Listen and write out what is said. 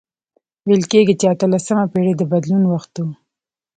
ویل کیږي چې اتلسمه پېړۍ د بدلون وخت و.